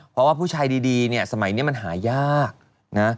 เพราะว่าผู้ชายดีเนี่ยสมัยนี้มันหายากนะ